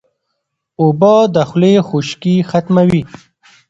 اوبه د خولې خشکي ختموي